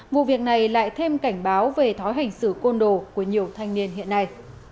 vụ việc này lại thêm cảnh báo về thói hành xử côn đồ của nhiều thanh niên hiện nay